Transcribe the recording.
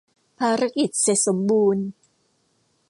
ภารกิจเสร็จสมบูรณ์ !